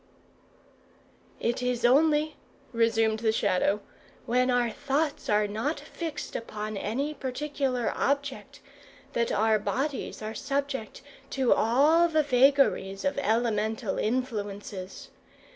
"It is only," resumed the Shadow, "when our thoughts are not fixed upon any particular object, that our bodies are subject to all the vagaries of elemental influences.